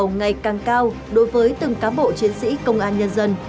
đồng hồ ngày càng cao đối với từng cán bộ chiến sĩ công an nhân dân